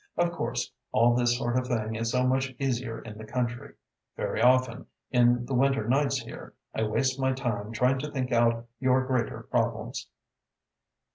Of course, all this sort of thing is so much easier in the country. Very often, in the winter nights here, I waste my time trying to think out your greater problems."